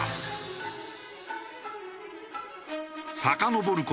さかのぼる事